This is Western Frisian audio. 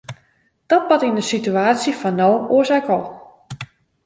Dat bart yn de situaasje fan no oars ek al.